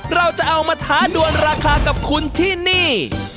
เราจะเอามาท้าดวนราคากับคุณที่นี่